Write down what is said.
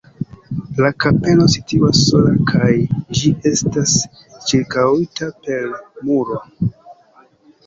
La kapelo situas sola kaj ĝi estas ĉirkaŭita per muro.